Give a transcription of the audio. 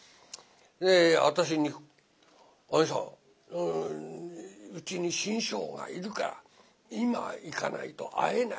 で私に「あにさんうちに志ん生がいるから今行かないと会えない。